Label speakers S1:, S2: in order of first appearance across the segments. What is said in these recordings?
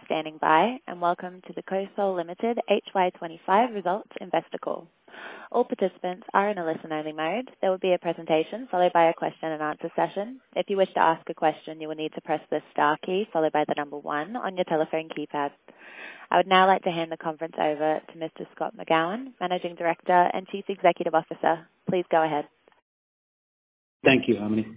S1: For standing by, and welcome to the COSOL Limited HY 2025 Results Investor Call. All participants are in a listen-only mode. There will be a presentation followed by a question-and-answer session. If you wish to ask a question, you will need to press the star key followed by the number one on your telephone keypad. I would now like to hand the conference over to Mr. Scott McGowan, Managing Director and Chief Executive Officer. Please go ahead.
S2: Thank you, Anthony.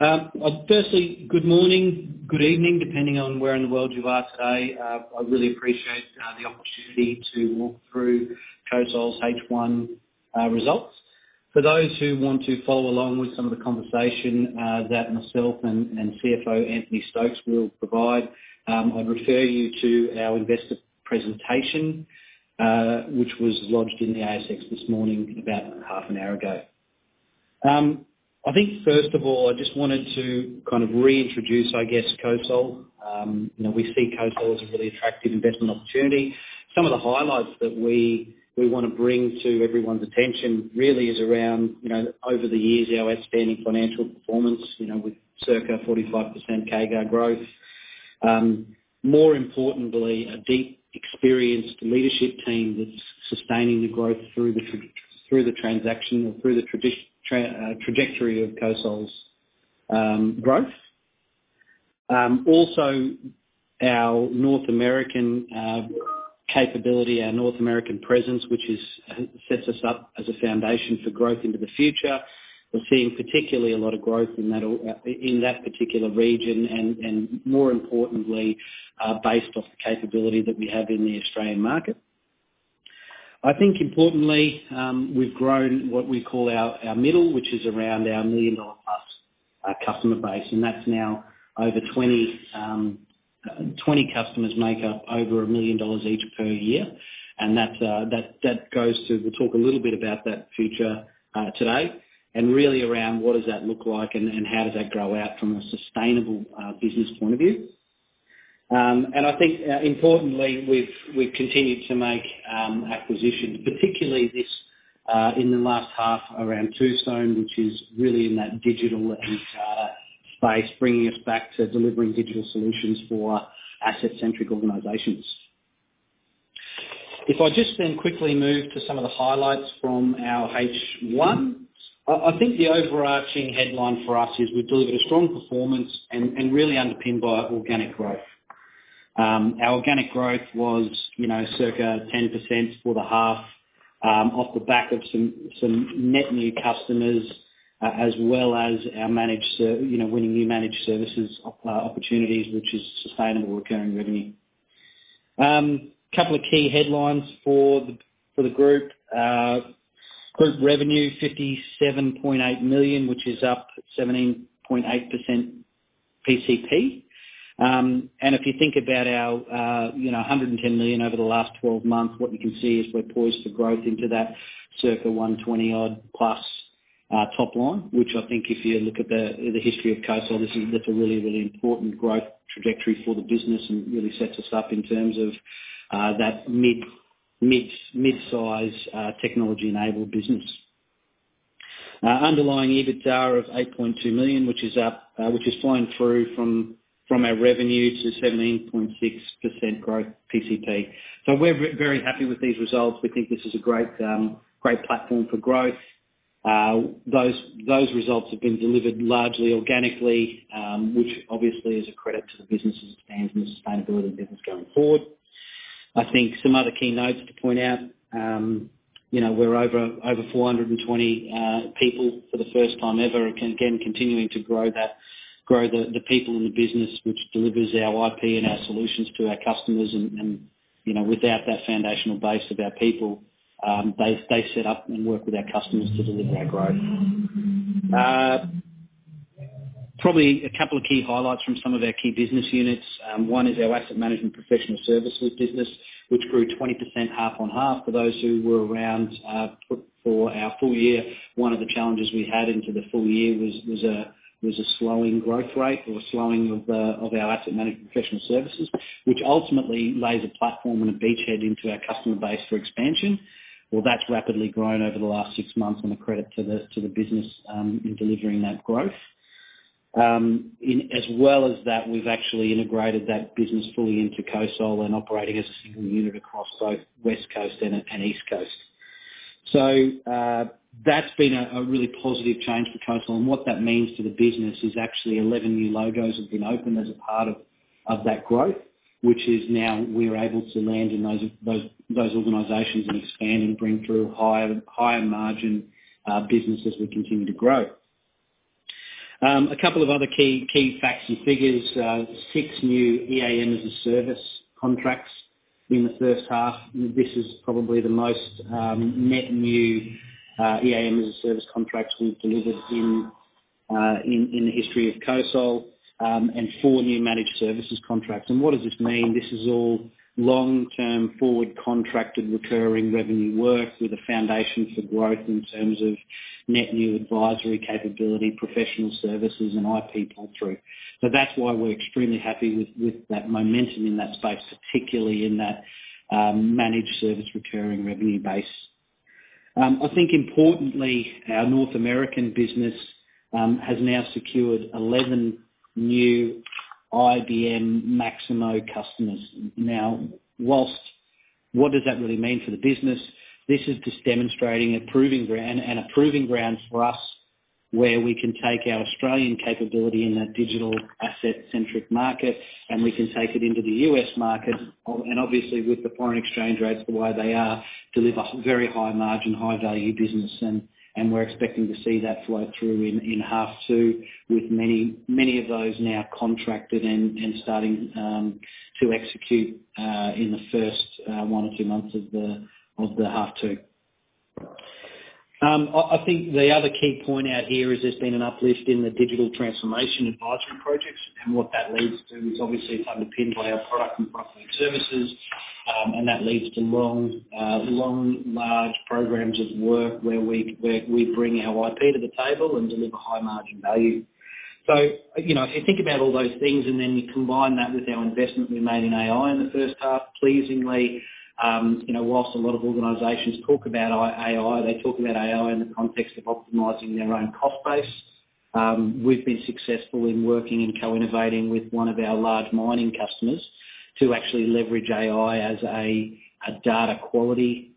S2: Firstly, good morning, good evening, depending on where in the world you are today. I really appreciate the opportunity to walk through COSOL's HY 2025 results. For those who want to follow along with some of the conversation that myself and CFO Anthony Stokes will provide, I'd refer you to our investor presentation, which was lodged in the ASX this morning about half an hour ago. I think, first of all, I just wanted to kind of reintroduce, I guess, COSOL. We see COSOL as a really attractive investment opportunity. Some of the highlights that we want to bring to everyone's attention really is around, over the years, our outstanding financial performance with circa 45% CAGR growth. More importantly, a deep, experienced leadership team that's sustaining the growth through the transaction or through the trajectory of COSOL's growth. Also, our North American capability, our North American presence, which sets us up as a foundation for growth into the future. We're seeing particularly a lot of growth in that particular region, and more importantly, based off the capability that we have in the Australian market. I think, importantly, we've grown what we call our middle, which is around our million-dollar-plus customer base, and that's now over 20 customers make up over 1 million dollars each per year. That goes to—we'll talk a little bit about that future today—and really around what does that look like and how does that grow out from a sustainable business point of view. I think, importantly, we've continued to make acquisitions, particularly this in the last half around Toustone, which is really in that digital and data space, bringing us back to delivering digital solutions for asset-centric organizations. If I just then quickly move to some of the highlights from our HY 2025, I think the overarching headline for us is we've delivered a strong performance and really underpinned by organic growth. Our organic growth was circa 10% for the half off the back of some net new customers, as well as our winning new managed services opportunities, which is sustainable recurring revenue. A couple of key headlines for the group: group revenue, 57.8 million, which is up 17.8% PCP. If you think about our 110 million over the last 12 months, what you can see is we're poised for growth into that circa AUD 120-odd-plus top line, which I think if you look at the history of COSOL, that's a really, really important growth trajectory for the business and really sets us up in terms of that mid-size technology-enabled business. Underlying EBITDA of 8.2 million, which is flying through from our revenue to 17.6% growth PCP. We are very happy with these results. We think this is a great platform for growth. Those results have been delivered largely organically, which obviously is a credit to the business as it stands in the sustainability business going forward. I think some other key notes to point out: we are over 420 people for the first time ever, again, continuing to grow the people in the business, which delivers our IP and our solutions to our customers. Without that foundational base of our people, they set up and work with our customers to deliver our growth. Probably a couple of key highlights from some of our key business units. One is our asset management professional services business, which grew 20% half on half for those who were around for our full year. One of the challenges we had into the full year was a slowing growth rate or slowing of our asset management professional services, which ultimately lays a platform and a beachhead into our customer base for expansion. That has rapidly grown over the last six months and a credit to the business in delivering that growth. As well as that, we've actually integrated that business fully into COSOL and operating as a single unit across both West Coast and East Coast. That has been a really positive change for COSOL. What that means to the business is actually 11 new logos have been opened as a part of that growth, which is now we're able to land in those organizations and expand and bring through higher margin business as we continue to grow. A couple of other key facts and figures: six new EAM as a Service contracts in the first half. This is probably the most net new EAM as a Service contracts we've delivered in the history of COSOL and four new managed services contracts. What does this mean? This is all long-term forward contracted recurring revenue work with a foundation for growth in terms of net new advisory capability, professional services, and IP pull-through. That is why we're extremely happy with that momentum in that space, particularly in that managed service recurring revenue base. I think, importantly, our North American business has now secured 11 new IBM Maximo customers. Now, what does that really mean for the business? This is just demonstrating and a proving ground for us where we can take our Australian capability in that digital asset-centric market, and we can take it into the US market. Obviously, with the foreign exchange rates the way they are, deliver very high margin, high-value business. We are expecting to see that flow through in half two with many of those now contracted and starting to execute in the first one or two months of the half two. I think the other key point out here is there has been an uplift in the digital transformation advisory projects, and what that leads to is obviously it is underpinned by our product and product services. That leads to long, large programs of work where we bring our IP to the table and deliver high margin value. If you think about all those things and then you combine that with our investment we made in AI in the first half, pleasingly, whilst a lot of organizations talk about AI, they talk about AI in the context of optimizing their own cost base. We've been successful in working and co-innovating with one of our large mining customers to actually leverage AI as a data quality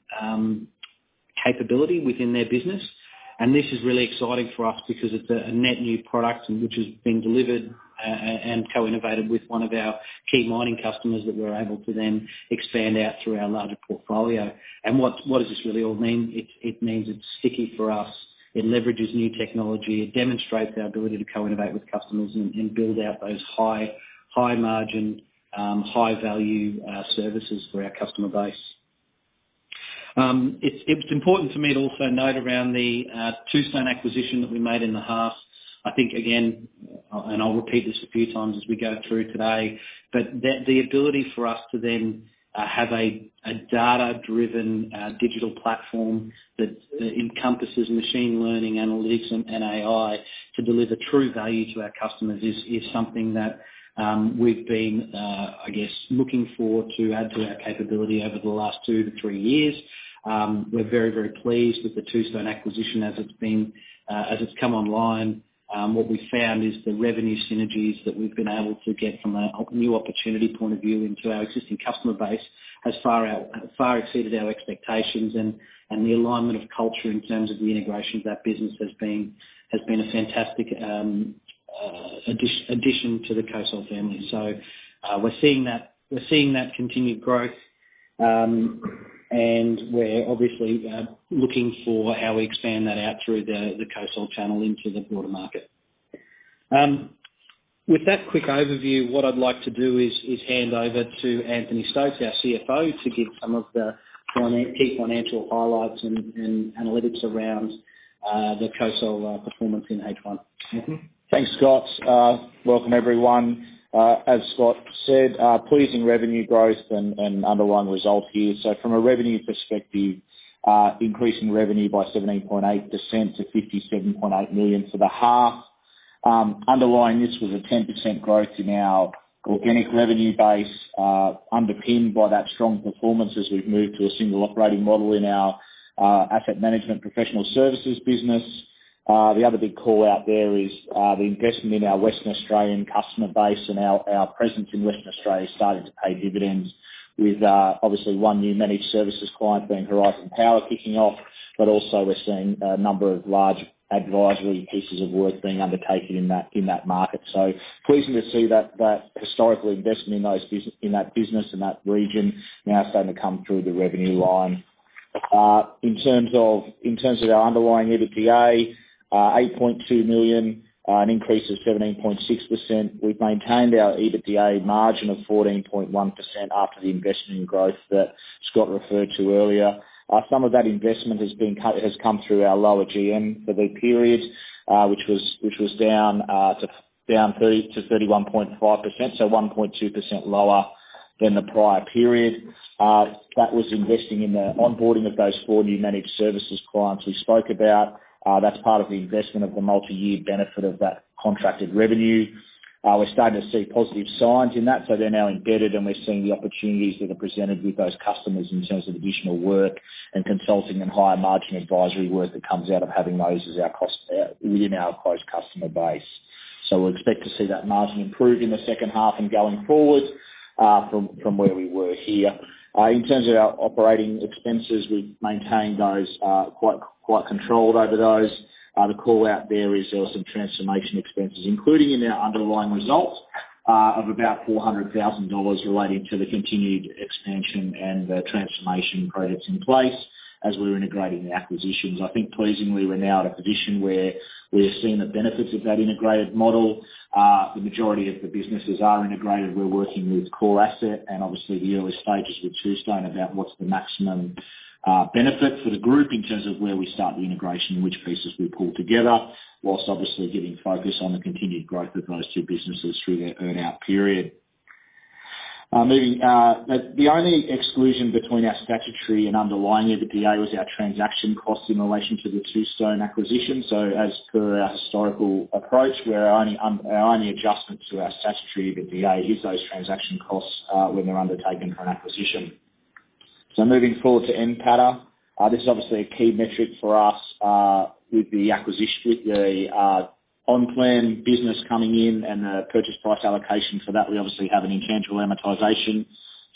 S2: capability within their business. This is really exciting for us because it's a net new product which has been delivered and co-innovated with one of our key mining customers that we're able to then expand out through our larger portfolio. What does this really all mean? It means it's sticky for us. It leverages new technology. It demonstrates our ability to co-innovate with customers and build out those high-margin, high-value services for our customer base. It's important for me to also note around the Toustone acquisition that we made in the half. I think, again, and I'll repeat this a few times as we go through today, but the ability for us to then have a data-driven digital platform that encompasses machine learning, analytics, and AI to deliver true value to our customers is something that we've been, I guess, looking forward to add to our capability over the last two to three years. We're very, very pleased with the Toustone acquisition as it's come online. What we found is the revenue synergies that we've been able to get from a new opportunity point of view into our existing customer base has far exceeded our expectations. The alignment of culture in terms of the integration of that business has been a fantastic addition to the COSOL family. We're seeing that continued growth, and we're obviously looking for how we expand that out through the COSOL channel into the broader market. With that quick overview, what I'd like to do is hand over to Anthony Stokes, our CFO, to give some of the key financial highlights and analytics around the COSOL performance in HY 2025.
S3: Thanks, Scott. Welcome, everyone. As Scott said, pleasing revenue growth and underlying result here. From a revenue perspective, increasing revenue by 17.8% to 57.8 million for the half. Underlying this was a 10% growth in our organic revenue base, underpinned by that strong performance as we've moved to a single operating model in our asset management professional services business. The other big call out there is the investment in our Western Australian customer base and our presence in Western Australia starting to pay dividends, with obviously one new managed services client being Horizon Power kicking off. Also, we're seeing a number of large advisory pieces of work being undertaken in that market. Pleasing to see that historical investment in that business and that region now starting to come through the revenue line. In terms of our underlying EBITDA, 8.2 million, an increase of 17.6%. We've maintained our EBITDA margin of 14.1% after the investment in growth that Scott referred to earlier. Some of that investment has come through our lower GM for the period, which was down to 31.5%, so 1.2% lower than the prior period. That was investing in the onboarding of those four new managed services clients we spoke about. That's part of the investment of the multi-year benefit of that contracted revenue. We're starting to see positive signs in that. They're now embedded, and we're seeing the opportunities that are presented with those customers in terms of additional work and consulting and higher margin advisory work that comes out of having those within our closed customer base. We expect to see that margin improve in the second half and going forward from where we were here. In terms of our operating expenses, we've maintained those quite controlled over those. The call out there is there were some transformation expenses, including in our underlying result of about 400,000 dollars relating to the continued expansion and the transformation projects in place as we're integrating the acquisitions. I think, pleasingly, we're now at a position where we're seeing the benefits of that integrated model. The majority of the businesses are integrated. We're working with Core Asset and obviously the early stages with Toustone about what's the maximum benefit for the group in terms of where we start the integration and which pieces we pull together, whilst obviously giving focus on the continued growth of those two businesses through their earn-out period. The only exclusion between our statutory and underlying EBITDA was our transaction costs in relation to the Toustone acquisition. As per our historical approach, our only adjustment to our statutory EBITDA is those transaction costs when they're undertaken for an acquisition. Moving forward to NPAT, this is obviously a key metric for us with the OnPlan business coming in and the purchase price allocation. For that, we obviously have an intangible amortization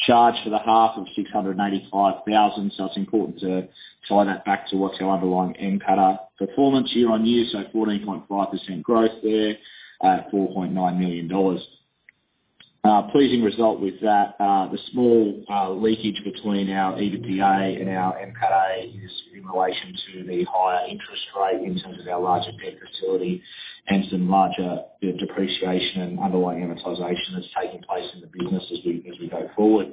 S3: charge for the half of 685,000. It is important to tie that back to what is our underlying NPAT performance year on year. There is 14.5% growth there at 4.9 million dollars. Pleasing result with that. The small leakage between our EBITDA and our NPAT is in relation to the higher interest rate in terms of our larger debt facility and some larger depreciation and underlying amortization that is taking place in the business as we go forward.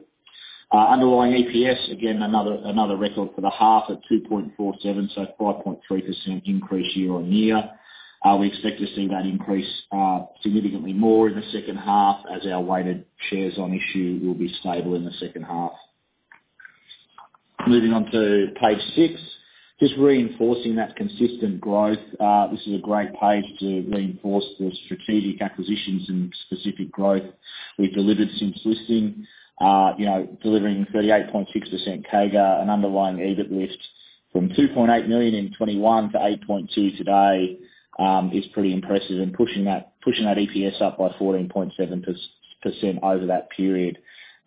S3: Underlying EPS, again, another record for the half at 0.0247, so 5.3% increase year on year. We expect to see that increase significantly more in the second half as our weighted shares on issue will be stable in the second half. Moving on to page six, just reinforcing that consistent growth. This is a great page to reinforce the strategic acquisitions and specific growth we've delivered since listing. Delivering 38.6% CAGR and underlying EBIT lift from 2.8 million in 2021 to 8.2 million today is pretty impressive and pushing that EPS up by 14.7% over that period.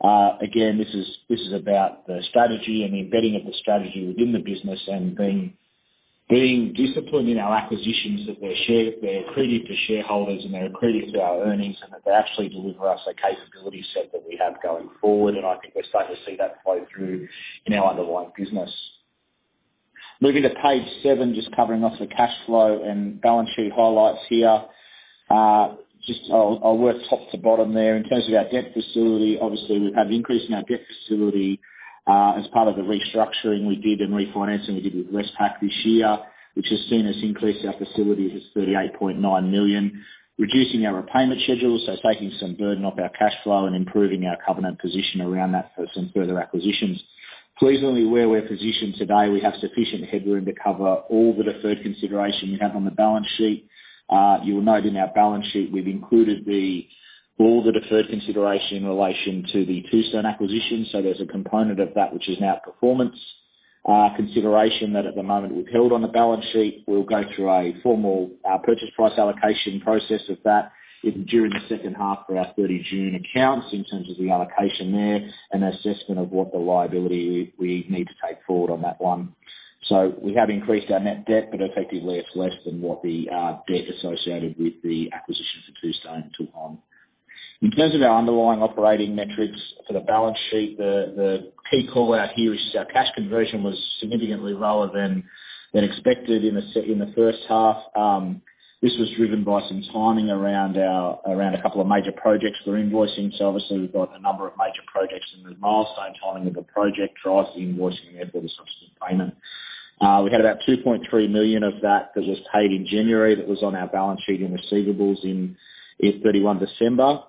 S3: Again, this is about the strategy and the embedding of the strategy within the business and being disciplined in our acquisitions that they're accredited to shareholders and they're accredited to our earnings and that they actually deliver us a capability set that we have going forward. I think we're starting to see that flow through in our underlying business. Moving to page seven, just covering off the cash flow and balance sheet highlights here. I'll work top to bottom there. In terms of our debt facility, obviously we've had an increase in our debt facility as part of the restructuring we did and refinancing we did with Westpac this year, which has seen us increase our facility to 38.9 million, reducing our repayment schedule, so taking some burden off our cash flow and improving our covenant position around that for some further acquisitions. Pleasingly where we're positioned today, we have sufficient headroom to cover all the deferred consideration we have on the balance sheet. You will note in our balance sheet we've included all the deferred consideration in relation to the Toustone acquisition. So there's a component of that which is now performance consideration that at the moment we've held on the balance sheet. We'll go through a formal purchase price allocation process of that during the second half for our 30 June accounts in terms of the allocation there and assessment of what the liability we need to take forward on that one. We have increased our net debt, but effectively it's less than what the debt associated with the acquisition for Toustone took on. In terms of our underlying operating metrics for the balance sheet, the key call out here is our cash conversion was significantly lower than expected in the first half. This was driven by some timing around a couple of major projects we're invoicing. Obviously we've got a number of major projects, and the milestone timing of the project drives the invoicing and therefore the subsequent payment. We had about 2.3 million of that that was paid in January that was on our balance sheet in receivables in 31 December.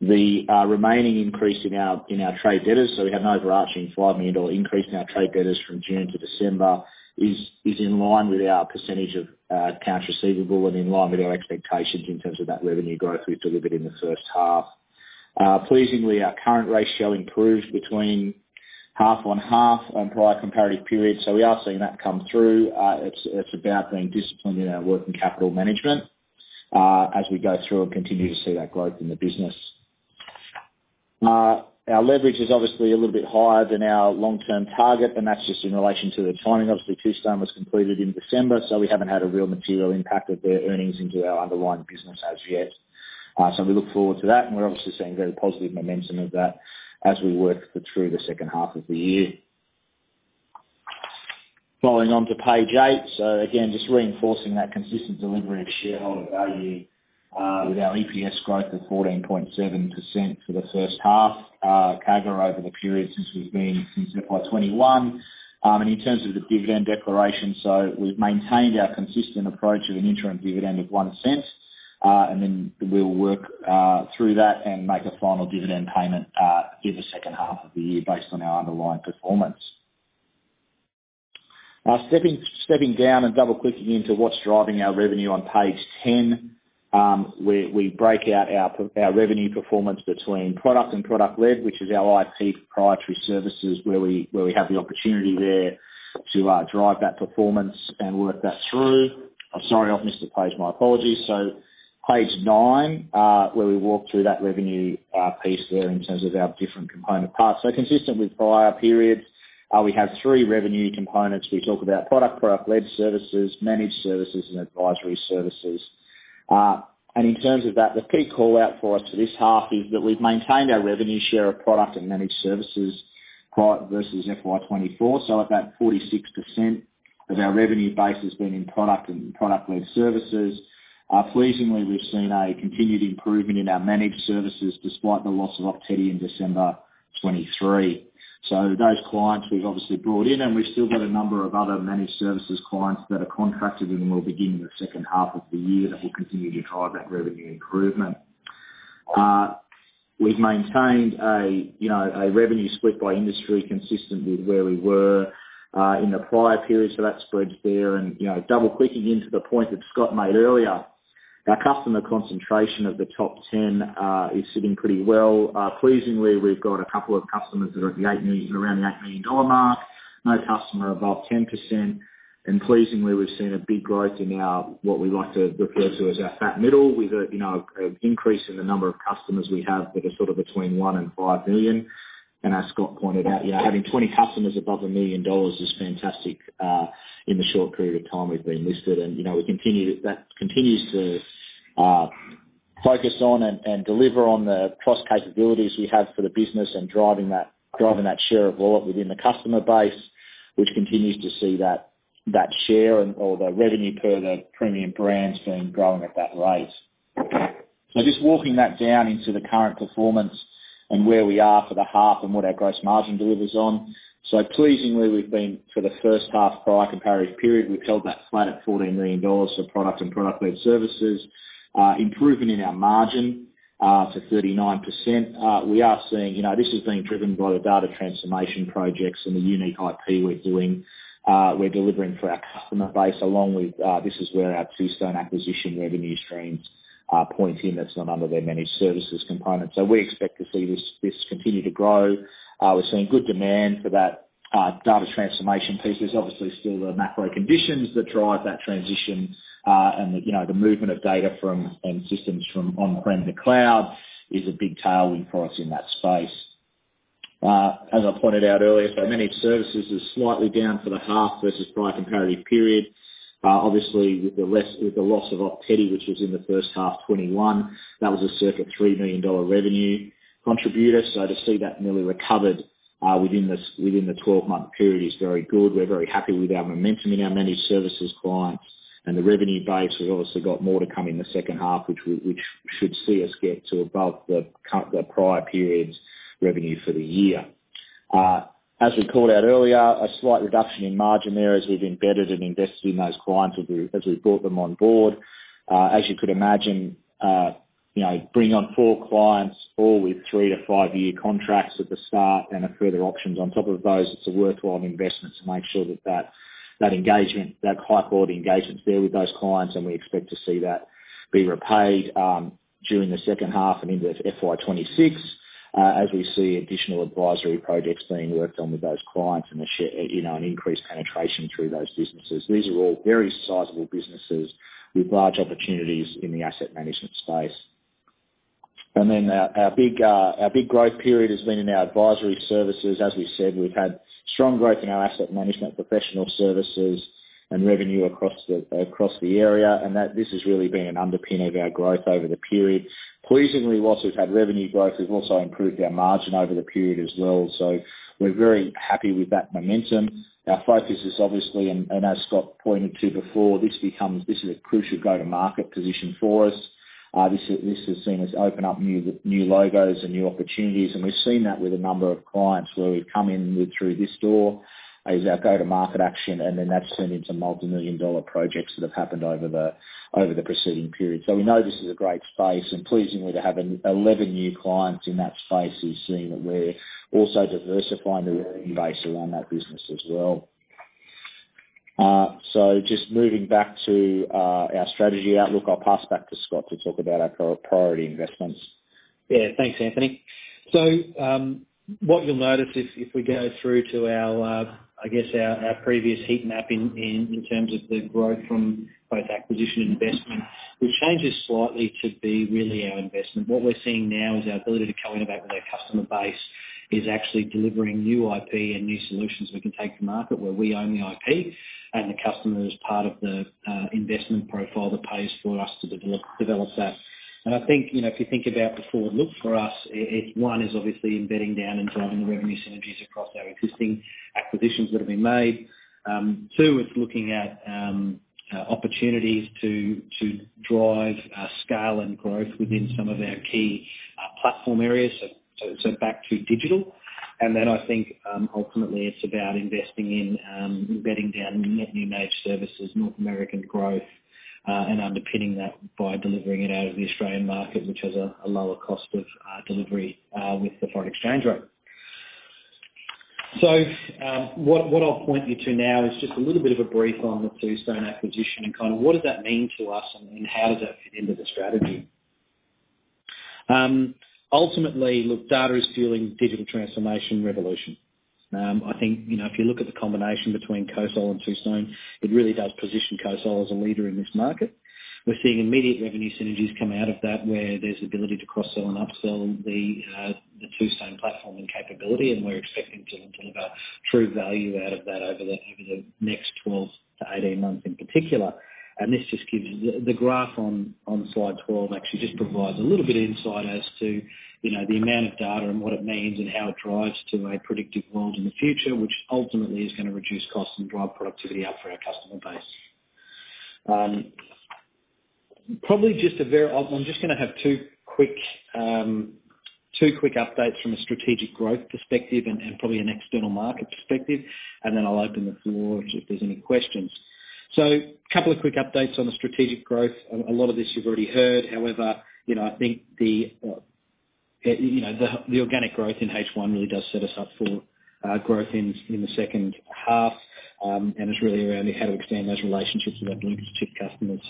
S3: The remaining increase in our trade debtors, so we had an overarching 5 million dollar increase in our trade debtors from June to December, is in line with our percentage of accounts receivable and in line with our expectations in terms of that revenue growth we've delivered in the first half. Pleasingly, our current ratio improved between half on half and prior comparative period. We are seeing that come through. It's about being disciplined in our working capital management as we go through and continue to see that growth in the business. Our leverage is obviously a little bit higher than our long-term target, and that's just in relation to the timing. Obviously, Toustone was completed in December, so we haven't had a real material impact of their earnings into our underlying business as yet. We look forward to that, and we're obviously seeing very positive momentum of that as we work through the second half of the year. Following on to page eight, just reinforcing that consistent delivery of shareholder value with our EPS growth of 14.7% for the first half, CAGR over the period since we've been since July 2021. In terms of the dividend declaration, we've maintained our consistent approach of an interim dividend of 0.01, and then we'll work through that and make a final dividend payment in the second half of the year based on our underlying performance. Stepping down and double-clicking into what's driving our revenue on page 10, we break out our revenue performance between product and product-led, which is our IP proprietary services where we have the opportunity there to drive that performance and work that through. I'm sorry, I've missed a page. My apologies. Page nine, where we walk through that revenue piece there in terms of our different component parts. Consistent with prior periods, we have three revenue components. We talk about product, product-led services, managed services, and advisory services. In terms of that, the key call out for us for this half is that we've maintained our revenue share of product and managed services versus FY 2024. At that, 46% of our revenue base has been in product and product-led services. Pleasingly, we've seen a continued improvement in our managed services despite the loss of Ok Tedi in December 2023. Those clients we've obviously brought in, and we've still got a number of other managed services clients that are contracted and will begin in the second half of the year that will continue to drive that revenue improvement. We've maintained a revenue split by industry consistent with where we were in the prior period, so that spreads there. Double-clicking into the point that Scott made earlier, our customer concentration of the top 10 is sitting pretty well. Pleasingly, we've got a couple of customers that are around the 8 million dollar mark, no customer above 10%. Pleasingly, we've seen a big growth in what we like to refer to as our fat middle with an increase in the number of customers we have that are sort of between 1 million-5 million. As Scott pointed out, having 20 customers above a million dollars is fantastic in the short period of time we've been listed. We continue to focus on and deliver on the cross-capabilities we have for the business and driving that share of wallet within the customer base, which continues to see that share and all the revenue per the premium brands being grown at that rate. Just walking that down into the current performance and where we are for the half and what our gross margin delivers on. Pleasingly, for the first half prior comparative period, we've held that flat at 14 million dollars for product and product-led services, improving in our margin to 39%. We are seeing this is being driven by the data transformation projects and the unique IP we're delivering for our customer base, along with this is where our Toustone acquisition revenue streams point in that's done under their managed services component. We expect to see this continue to grow. We're seeing good demand for that data transformation piece. There's obviously still the macro conditions that drive that transition, and the movement of data and systems from on-prem to cloud is a big tailwind for us in that space. As I pointed out earlier, managed services is slightly down for the half versus prior comparative period. Obviously, with the loss of Ok Tedi, which was in the first half 2021, that was a circa 3 million dollar revenue contributor. To see that nearly recovered within the 12-month period is very good. We're very happy with our momentum in our managed services clients and the revenue base. We've obviously got more to come in the second half, which should see us get to above the prior period's revenue for the year. As we called out earlier, a slight reduction in margin there as we've embedded and invested in those clients as we brought them on board. As you could imagine, bringing on four clients, all with three- to five-year contracts at the start and a further options on top of those, it's a worthwhile investment to make sure that that high-quality engagement's there with those clients. We expect to see that be repaid during the second half and into FY 2026 as we see additional advisory projects being worked on with those clients and an increased penetration through those businesses. These are all very sizable businesses with large opportunities in the asset management space. Our big growth period has been in our advisory services. As we said, we've had strong growth in our asset management professional services and revenue across the area. This has really been an underpin of our growth over the period. Pleasingly, whilst we've had revenue growth, we've also improved our margin over the period as well. We are very happy with that momentum. Our focus is obviously, and as Scott pointed to before, this is a crucial go-to-market position for us. This has seen us open up new logos and new opportunities. We have seen that with a number of clients where we've come in through this door as our go-to-market action, and then that's turned into multi-million dollar projects that have happened over the preceding period. We know this is a great space. Pleasingly, to have 11 new clients in that space is seeing that we're also diversifying the revenue base around that business as well. Just moving back to our strategy outlook, I'll pass back to Scott to talk about our priority investments.
S2: Yeah, thanks, Anthony. What you'll notice if we go through to, I guess, our previous heat map in terms of the growth from both acquisition and investment, which changes slightly to be really our investment. What we're seeing now is our ability to co-innovate with our customer base is actually delivering new IP and new solutions we can take to market where we own the IP and the customer is part of the investment profile that pays for us to develop that. I think if you think about the forward look for us, one is obviously embedding down and driving the revenue synergies across our existing acquisitions that have been made. Two, it's looking at opportunities to drive scale and growth within some of our key platform areas, so back to digital. I think ultimately it's about investing in embedding down new managed services, North American growth, and underpinning that by delivering it out of the Australian market, which has a lower cost of delivery with the foreign exchange rate. What I'll point you to now is just a little bit of a brief on the Toustone acquisition and kind of what does that mean to us and how does that fit into the strategy. Ultimately, look, data is fueling digital transformation revolution. I think if you look at the combination between COSOL and Toustone, it really does position COSOL as a leader in this market. We're seeing immediate revenue synergies come out of that where there's ability to cross-sell and upsell the Toustone platform and capability, and we're expecting to deliver true value out of that over the next 12 to 18 months in particular. This just gives the graph on slide 12 actually just provides a little bit of insight as to the amount of data and what it means and how it drives to a predictive world in the future, which ultimately is going to reduce costs and drive productivity up for our customer base. Probably just a very, I'm just going to have two quick updates from a strategic growth perspective and probably an external market perspective, and then I'll open the floor if there's any questions. A couple of quick updates on the strategic growth. A lot of this you've already heard. However, I think the organic growth in H1 really does set us up for growth in the second half and is really around how to extend those relationships with our blue-chip customers.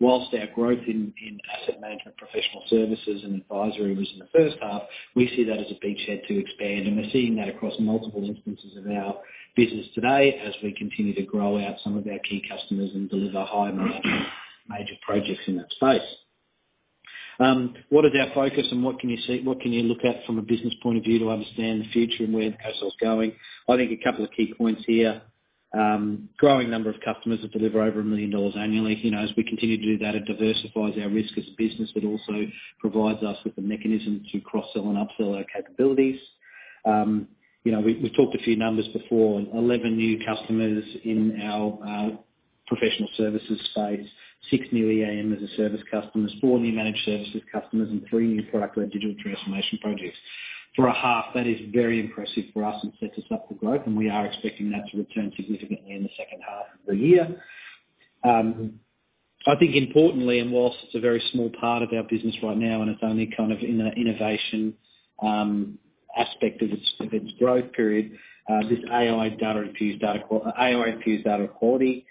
S2: Whilst our growth in asset management professional services and advisory was in the first half, we see that as a beachhead to expand. We're seeing that across multiple instances of our business today as we continue to grow out some of our key customers and deliver high-margin major projects in that space. What is our focus and what can you see? What can you look at from a business point of view to understand the future and where COSOL's going? I think a couple of key points here. Growing number of customers that deliver over 1 million dollars annually. As we continue to do that, it diversifies our risk as a business, but also provides us with a mechanism to cross-sell and upsell our capabilities. We've talked a few numbers before: 11 new customers in our professional services space, 6 new EAM as a Service customers, 4 new managed services customers, and 3 new product-led digital transformation projects. For a half, that is very impressive for us and sets us up for growth, and we are expecting that to return significantly in the second half of the year. I think importantly, and whilst it's a very small part of our business right now and it's only kind of in the innovation aspect of its growth period, this AI data-infused data quality.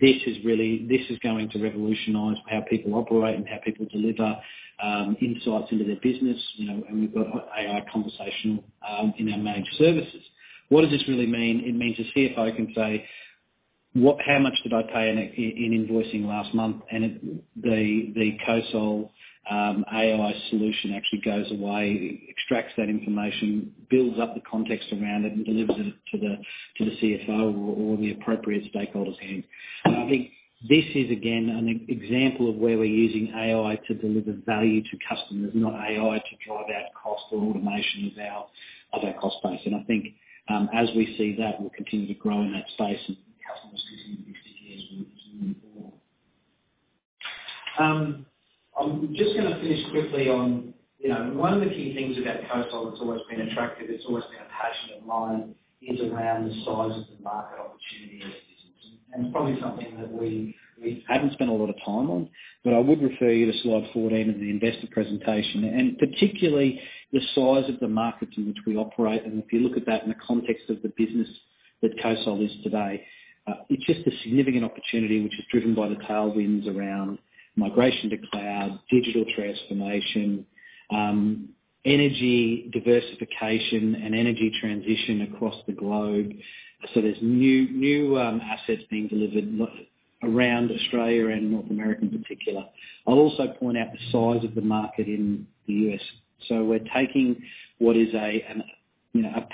S2: This is going to revolutionize how people operate and how people deliver insights into their business. We have AI conversational in our managed services. What does this really mean? It means the CFO can say, "How much did I pay in invoicing last month?" and the COSOL AI solution actually goes away, extracts that information, builds up the context around it, and delivers it to the CFO or the appropriate stakeholders here. I think this is, again, an example of where we are using AI to deliver value to customers, not AI to drive out cost or automation of our cost base. I think as we see that, we will continue to grow in that space, and customers continue to be sticking in with us moving forward. I am just going to finish quickly on one of the key things about COSOL that has always been attractive, it has always been a passion of mine, is around the size of the market opportunity as a business. It is probably something that we have not spent a lot of time on, but I would refer you to slide 14 of the investor presentation. Particularly the size of the markets in which we operate. If you look at that in the context of the business that COSOL is today, it is just a significant opportunity which is driven by the tailwinds around migration to cloud, digital transformation, energy diversification, and energy transition across the globe. There are new assets being delivered around Australia and North America in particular. I will also point out the size of the market in the U.S. We are taking what is a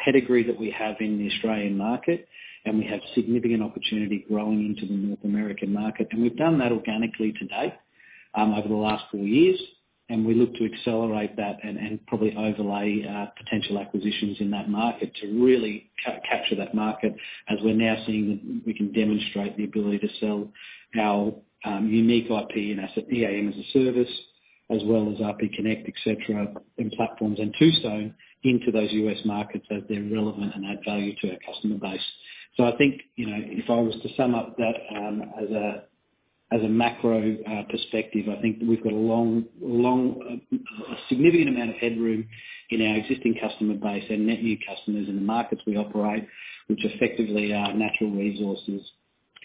S2: pedigree that we have in the Australian market, and we have significant opportunity growing into the North American market. We have done that organically to date over the last four years. We look to accelerate that and probably overlay potential acquisitions in that market to really capture that market as we're now seeing that we can demonstrate the ability to sell our unique IP and EAM as a Service, as well as RPConnect, etc., and platforms and Toustone into those US markets as they're relevant and add value to our customer base. I think if I was to sum up that as a macro perspective, I think we've got a significant amount of headroom in our existing customer base and net new customers in the markets we operate, which effectively are natural resources: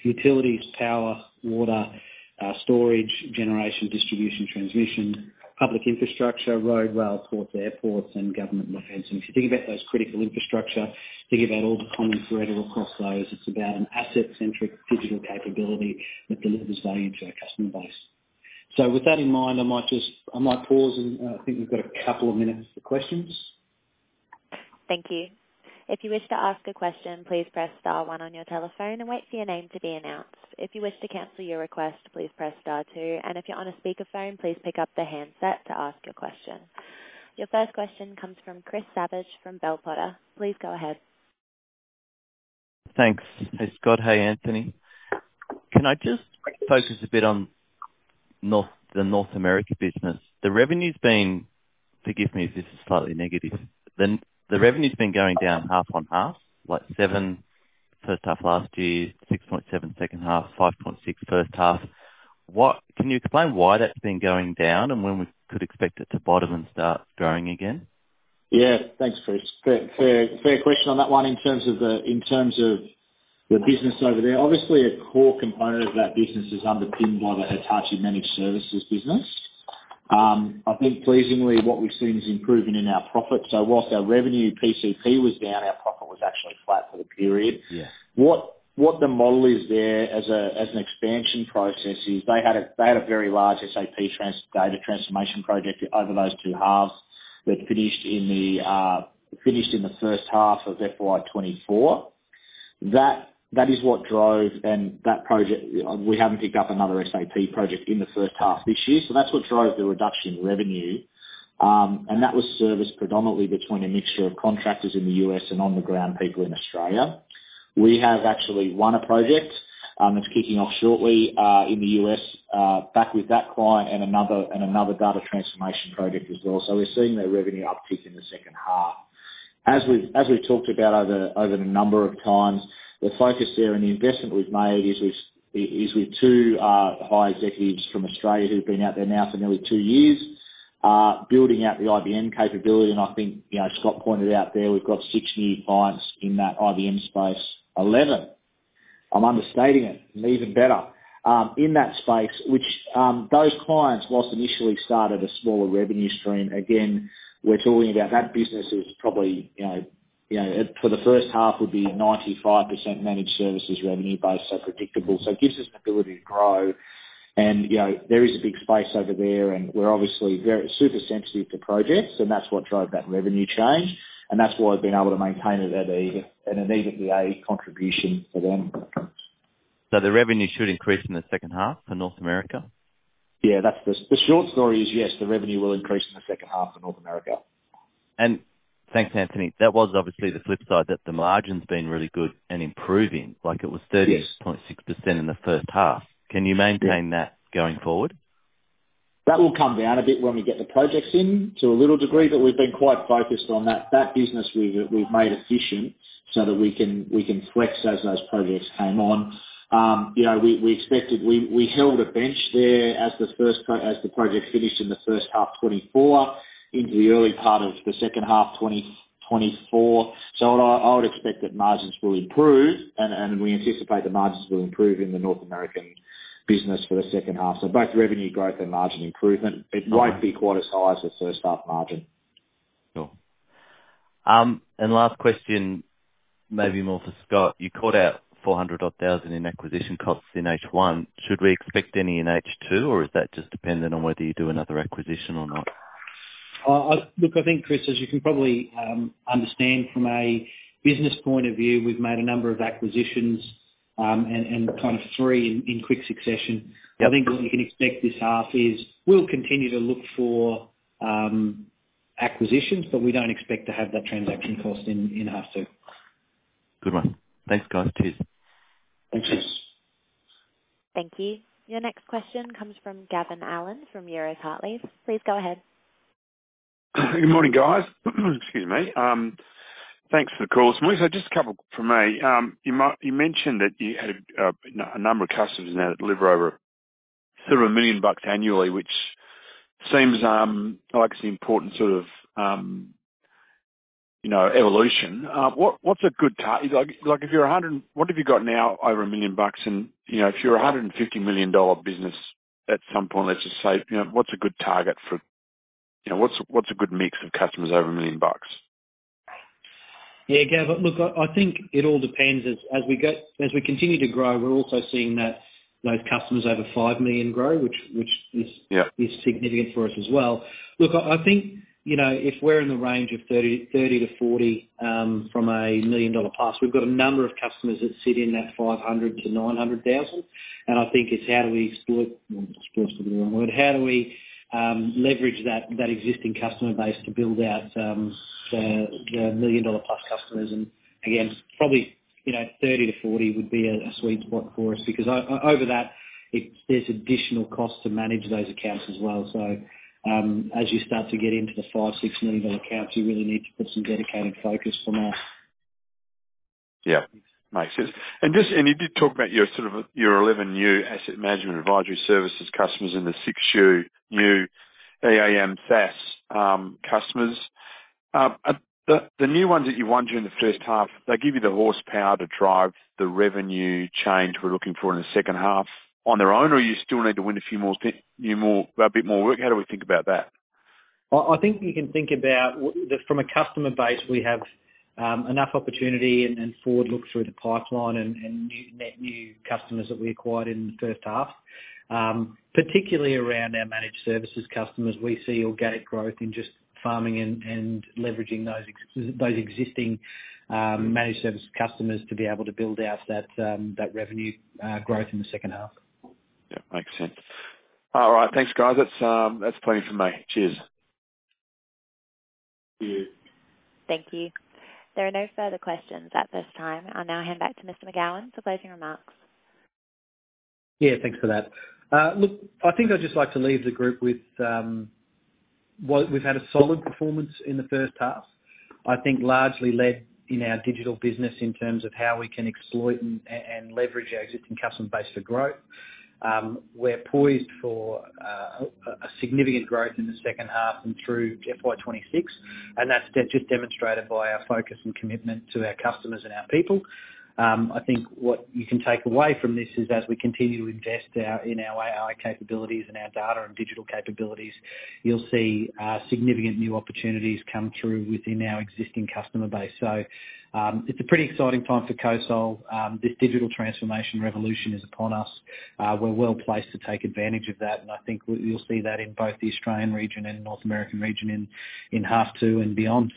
S2: utilities, power, water, storage, generation, distribution, transmission, public infrastructure, road, rail, ports, airports, and government defence. If you think about those critical infrastructure, think about all the common thread across those, it's about an asset-centric digital capability that delivers value to our customer base. With that in mind, I might pause, and I think we've got a couple of minutes for questions.
S1: Thank you. If you wish to ask a question, please press star one on your telephone and wait for your name to be announced. If you wish to cancel your request, please press star two. If you're on a speakerphone, please pick up the handset to ask your question. Your first question comes from Chris Savage from Bell Potter. Please go ahead.
S4: Thanks. Hey, Scott. Hey, Anthony. Can I just focus a bit on the North America business? The revenue's been—forgive me if this is slightly negative—the revenue's been going down half on half, like 7% first half last year, 6.7% second half, 5.6% first half. Can you explain why that's been going down and when we could expect it to bottom and start growing again?
S3: Yeah. Thanks, Chris. Fair question on that one in terms of the business over there. Obviously, a core component of that business is underpinned by the Hitachi managed services business. I think pleasingly what we've seen is improvement in our profit. So whilst our revenue PCP was down, our profit was actually flat for the period. What the model is there as an expansion process is they had a very large SAP data transformation project over those two halves that finished in the first half of FY 2024. That is what drove that project. We haven't picked up another SAP project in the first half this year. That is what drove the reduction in revenue. That was serviced predominantly between a mixture of contractors in the US and on-the-ground people in Australia. We have actually won a project that's kicking off shortly in the U.S. back with that client and another data transformation project as well. We are seeing that revenue uptick in the second half. As we've talked about over a number of times, the focus there and the investment we've made is with two high executives from Australia who've been out there now for nearly two years building out the IBM capability. I think Scott pointed out there we've got six new clients in that IBM space. Eleven. I'm understating it. Even better. In that space, which those clients, whilst initially started a smaller revenue stream, again, we're talking about that business is probably for the first half would be 95% managed services revenue based, so predictable. It gives us an ability to grow. There is a big space over there, and we're obviously super sensitive to projects, and that's what drove that revenue change. That's why we've been able to maintain an immediate VA contribution for them.
S4: The revenue should increase in the second half for North America?
S3: Yeah. The short story is, yes, the revenue will increase in the second half for North America.
S4: Thanks, Anthony. That was obviously the flip side that the margin's been really good and improving. It was 30.6% in the first half. Can you maintain that going forward?
S3: That will come down a bit when we get the projects in to a little degree, but we've been quite focused on that business. We've made it efficient so that we can flex as those projects came on. We held a bench there as the project finished in the first half 2024 into the early part of the second half 2024. I would expect that margins will improve, and we anticipate the margins will improve in the North American business for the second half. Both revenue growth and margin improvement, it won't be quite as high as the first half margin.
S4: Sure. Last question, maybe more for Scott. You caught out 400,000-odd in acquisition costs in H1. Should we expect any in H2, or is that just dependent on whether you do another acquisition or not?
S2: Look, I think, Chris, as you can probably understand from a business point of view, we've made a number of acquisitions and kind of three in quick succession. I think what you can expect this half is we'll continue to look for acquisitions, but we don't expect to have that transaction cost in half two.
S4: Good one. Thanks, guys. Cheers.
S2: Thanks, Chris.
S1: Thank you. Your next question comes from Gavin Allen from Euroz Hartleys. Please go ahead.
S5: Good morning, guys. Excuse me. Thanks for the call, Simone. Just a couple from me. You mentioned that you had a number of customers now that deliver over sort of 1 million bucks annually, which seems like it's an important sort of evolution. What's a good target? What have you got now over 1 million bucks? If you're a 150 million dollar business at some point, let's just say, what's a good target for what's a good mix of customers over 1 million bucks?
S3: Yeah, Gavin, look, I think it all depends. As we continue to grow, we're also seeing that those customers over 5 million grow, which is significant for us as well. Look, I think if we're in the range of 30-40 from a million-dollar plus, we've got a number of customers that sit in that 500,000-900,000. I think it's how do we—exploration would be the wrong word—how do we leverage that existing customer base to build out the million-dollar-plus customers? Again, probably 30-40 would be a sweet spot for us because over that, there's additional costs to manage those accounts as well. As you start to get into the 5 million-6 million dollar accounts, you really need to put some dedicated focus from us.
S5: Yeah. Makes sense. You did talk about your sort of your 11 new asset management advisory services customers and the 6 new EAM SaaS customers. The new ones that you won during the first half, they give you the horsepower to drive the revenue change we're looking for in the second half on their own, or you still need to win a bit more work? How do we think about that?
S3: I think you can think about from a customer base, we have enough opportunity and forward look through the pipeline and new customers that we acquired in the first half. Particularly around our managed services customers, we see organic growth in just farming and leveraging those existing managed services customers to be able to build out that revenue growth in the second half.
S5: Yeah. Makes sense. All right. Thanks, guys. That's plenty for me. Cheers.
S3: Cheers.
S1: Thank you. There are no further questions at this time. I'll now hand back to Mr. McGowan for closing remarks.
S2: Yeah. Thanks for that. Look, I think I'd just like to leave the group with we've had a solid performance in the first half. I think largely led in our digital business in terms of how we can exploit and leverage our existing customer base for growth. We're poised for significant growth in the second half and through FY 2026. That is just demonstrated by our focus and commitment to our customers and our people. I think what you can take away from this is as we continue to invest in our AI capabilities and our data and digital capabilities, you'll see significant new opportunities come through within our existing customer base. It is a pretty exciting time for COSOL. This digital transformation revolution is upon us. We're well placed to take advantage of that. I think you'll see that in both the Australian region and North American region in half two and beyond.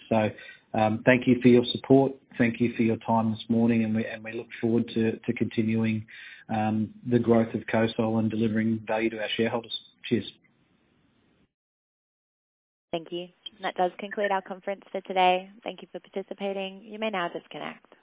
S2: Thank you for your support. Thank you for your time this morning. We look forward to continuing the growth of COSOL and delivering value to our shareholders. Cheers.
S1: Thank you. That does conclude our conference for today. Thank you for participating. You may now disconnect.